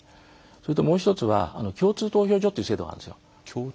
それと、もう１つは共通投票所という制度があるんです。